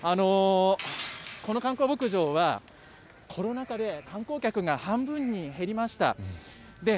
この観光牧場は、コロナ禍で観光客が半分に減りました。